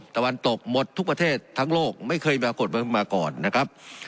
ตะวันตกหมดทุกประเทศทั้งโลกไม่เคยปรากฏมาก่อนนะครับ